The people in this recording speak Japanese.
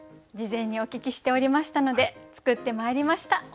事前にお聞きしておりましたので作ってまいりました。